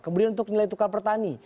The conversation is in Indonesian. kemudian untuk nilai tukar petani